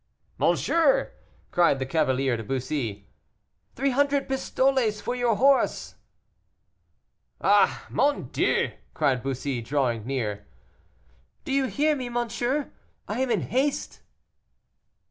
"Monsieur!" cried the cavalier to Bussy, "three hundred pistoles for your horse!" "Ah, mon Dieu!" cried Bussy, drawing near. "Do you hear me, monsieur? I am in haste."